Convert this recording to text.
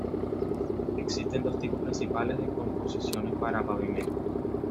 Existen dos tipos principales de composiciones para pavimentos.